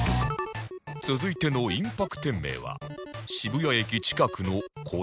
続いてのインパク店名は渋谷駅近くのこちら